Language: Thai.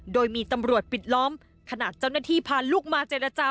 โดยมีตำรวจปิดล้อมขณะเจ้าหน้าที่พาลูกมาเจรจา